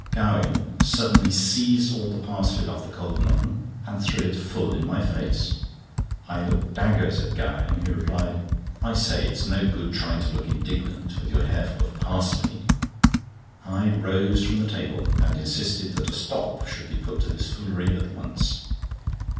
Gowing suddenly seized all the parsley off the cold mutton, and threw it full in my face. I looked daggers at Gowing, who replied: "I say, it's no good trying to look indignant, with your hair full of parsley." I rose from the table, and insisted that a stop should be put to this foolery at once.